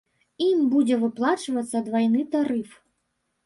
Ім будзе выплачвацца двайны тарыф.